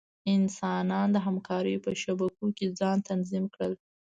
انسانان د همکاریو په شبکو کې ځان تنظیم کړل.